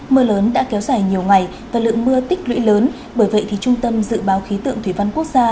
mưa lớn đã kéo dài nhiều ngày và lượng mưa tích lũy lớn bởi vậy trung tâm dự báo khí tượng thủy văn quốc gia